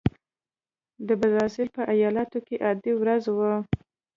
د برازیل په ایالت کې عادي ورځ وه.